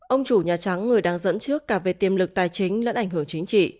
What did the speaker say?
ông chủ nhà trắng người đang dẫn trước cả về tiềm lực tài chính lẫn ảnh hưởng chính trị